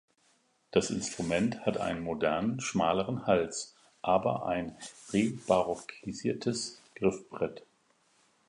Das Instrument hat einen modernen schmaleren Hals, aber ein re-barockisiertes Griffbrett.